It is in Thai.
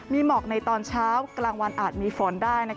มีหมอกในตอนเช้ากลางวันอาจมีฝนได้